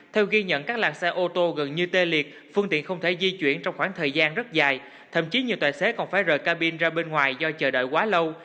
theo ghi nhận các làng xe ô tô gần như tê liệt phương tiện không thể di chuyển trong khoảng thời gian rất dài thậm chí nhiều tài xế còn phải rời cabin ra bên ngoài do chờ đợi quá lâu